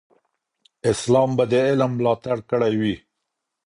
اسلام به د علم ملاتړ کړی وي.